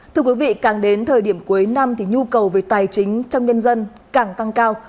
thưa quý vị càng đến thời điểm cuối năm thì nhu cầu về tài chính trong nhân dân càng tăng cao